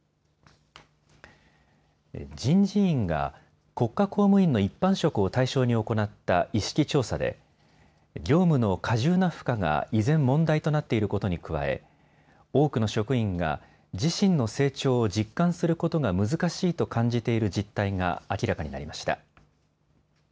人事院が国家公務員の一般職を対象に行った意識調査で業務の過重な負荷が依然問題となっていることに加え多くの職員が自身の成長を実感することが難しいと感じている実態が明らかになりました。